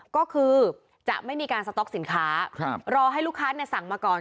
ก็คือจะไม่มีการสต๊อกสินค้ารอให้ลูกค้าสั่งมาก่อน